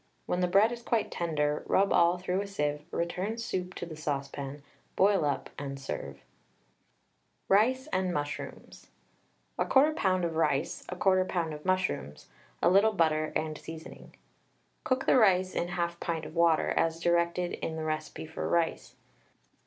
When the bread is quite tender, rub all through a sieve, return soup to the saucepan, boil up, and serve. RICE AND MUSHROOMS. 1/4 lb. of rice, 1/4 lb. of mushrooms, a little butter and seasoning. Cook the rice in 1/2 pint of water, as directed in recipe for "Rice."